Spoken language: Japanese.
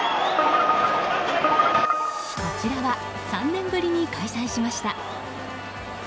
こちらは３年ぶりに開催しました。